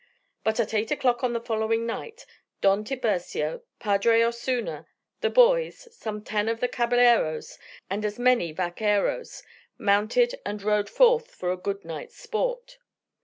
But at eight o'clock on the following night Don Tiburcio, Padre Osuna, the boys, some ten of the caballeros, and as many vaqueros mounted and rode forth for a good night's sport.